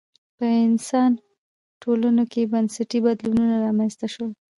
په انسان ټولنو کې بنسټي بدلونونه رامنځته شول